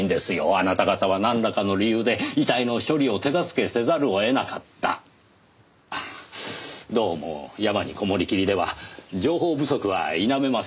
あなた方はなんらかの理由で遺体の処理を手助けせざるを得なかった。どうも山にこもりきりでは情報不足は否めません。